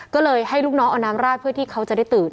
ก็เลยให้ลูกน้องเอาน้ำราดเพื่อที่เขาจะได้ตื่น